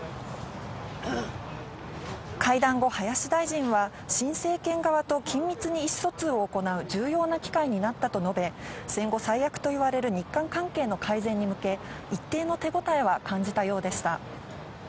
会談後、林大臣は、新政権側と緊密に意思疎通を行う重要な機会になったと述べ、戦後最悪といわれる日韓関係の改善に向け、一定の手応えは感じたようでした。